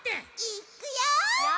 いっくよ！